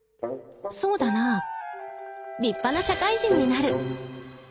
そうだなぁ立派な社会人になる。